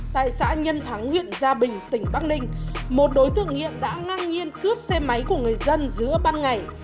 tại xã nhân thắng huyện gia bình tỉnh bắc ninh một đối tượng nghiện đã ngang nhiên cướp xe máy của người dân giữa ban ngày